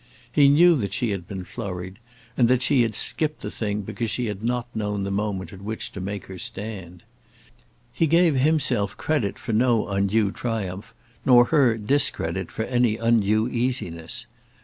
He knew that she had been flurried, and that she had skipped the thing because she had not known the moment at which to make her stand. He gave himself credit for no undue triumph, nor her discredit for any undue easiness.